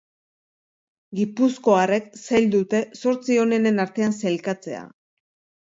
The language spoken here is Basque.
Gipuzkoarrek zail dute zortzi onenen artean sailkatzea.